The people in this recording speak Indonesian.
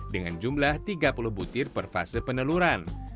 dengan jumlah tiga puluh butir per fase peneluran